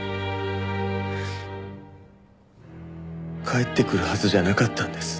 帰ってくるはずじゃなかったんです。